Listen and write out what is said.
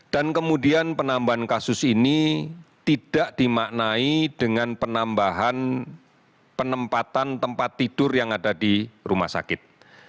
dan kemudian penambahan kasus ini tidak dimaknai dengan penambahan penempatan tempat tidur yang ada di rumah sakit